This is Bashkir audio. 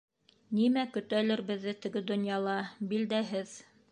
Нимә көтәлер беҙҙе теге донъяла — билдәһеҙ.